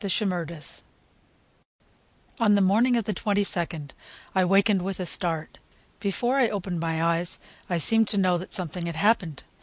XIV ON the morning of the 22d I wakened with a start. Before I opened my eyes, I seemed to know that something had happened.